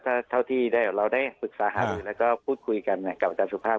เท่าที่เราได้ปรึกษาหารือแล้วก็พูดคุยกันกับอาจารย์สุภาพ